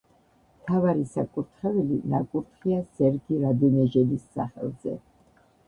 მთავარი საკურთხეველი ნაკურთხია სერგი რადონეჟელის სახელზე.